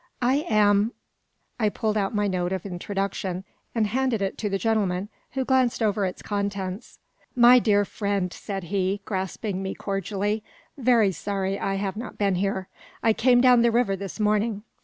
"I am " I pulled out my note of introduction, and banded it to the gentleman, who glanced over its contents. "My dear friend," said he, grasping me cordially, "very sorry I have not been here. I came down the river this morning.